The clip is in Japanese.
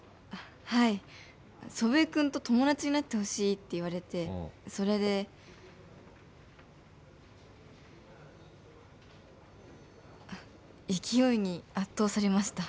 はい祖父江君と友達になってほしいって言われてそれで勢いに圧倒されました